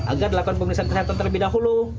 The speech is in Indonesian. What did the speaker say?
agar dilakukan pemeriksaan kesehatan terlebih dahulu